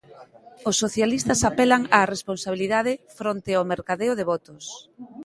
Os socialistas apelan á responsabilidade fronte ao mercadeo de votos.